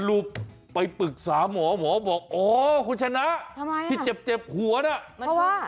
รูปไปปรึกษาหมอหมอบอกอ๋อคุณชนะทำไมที่เจ็บเจ็บหัวน่ะเพราะว่า